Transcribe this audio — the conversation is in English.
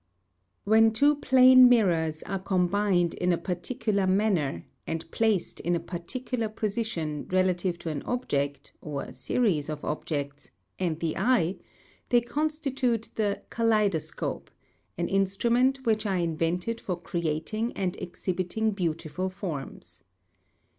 (213.) When two plane mirrors are combined in a particular manner, and placed in a particular position re lative to an object, or series of objects, and the eye, they constitute the Kaleidoscope, an instrument which 1 in vented for creating and exhibiting beautiful forms.